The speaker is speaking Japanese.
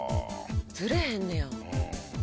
ずれへんねや。